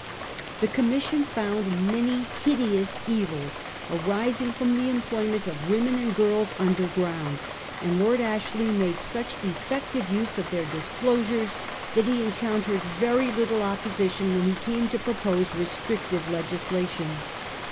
The Commission found many hideous evils arising from the employ ment of women and girls under ground, and Lord Ashley made such effective use of their disclosures that he encountered very little opposition when he came to propose restrictive legislation.